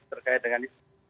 terkait dengan itu